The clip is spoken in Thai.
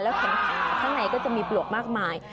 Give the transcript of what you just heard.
แขนขาข้างในก็จะมีปลวกมากมาย